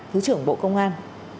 thứ trưởng bộ công an